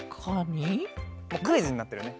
もうクイズになってるね。